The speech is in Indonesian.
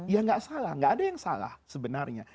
ya enggak salah enggak ada yang salah sebenarnya